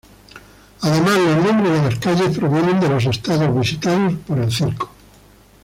Además, los nombres de las calles provienen de los estados visitados por el circo.